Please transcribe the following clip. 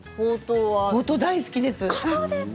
大好きです。